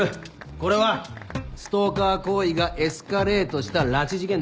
これはストーカー行為がエスカレートした拉致事件だ。